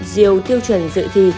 diều tiêu chuẩn dự thi